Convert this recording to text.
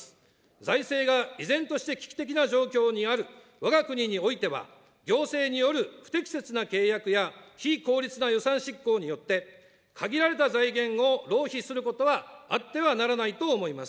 財政が依然として危機的な状況にあるわが国においては、行政による不適切な契約や非効率な予算執行によって、限られた財源を浪費することはあってはならないと思います。